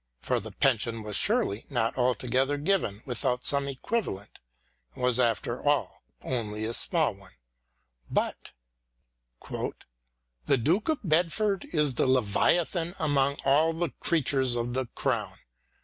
For the pension was surely not alto gether given widiout some equivalent, and was after all only a small one. But The Dute of Bedford is the leviathan among all the creatures of the Crown.